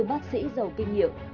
bác sĩ giàu kinh nghiệm